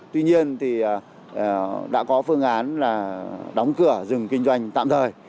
tuy nhiên thì đã có phương án là đóng cửa dừng kinh doanh tạm thời